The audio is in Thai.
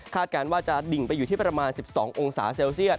การว่าจะดิ่งไปอยู่ที่ประมาณ๑๒องศาเซลเซียต